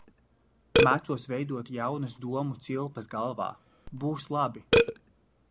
Mācos veidot jaunas domu cilpas galvā. Būs labi.